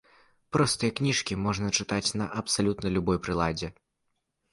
Простыя кніжкі можна чытаць на абсалютна любой прыладзе.